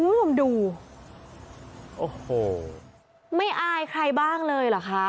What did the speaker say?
ร่มดูโอ้โหไม่อาจใครบ้างเลยนะคะ